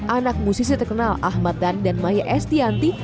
anak musisi terkenal ahmad dhan dan maya estianti